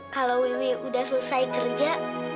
kalau wiwi udah selesai kerja